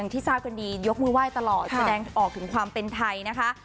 ที่ทราบกันดียกมือไหว้ตลอดแสดงออกถึงความเป็นไทยนะคะ